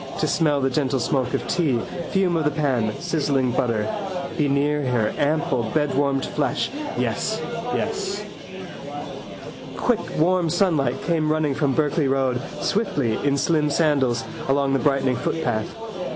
To smell the gentle smoke of tea, fume of the pan, sizzling butter. Be near her ample bedwarmed flesh. Yes, yes. Quick warm sunlight came running from Berkeley road, swiftly, in slim sandals, along the brightening footpath.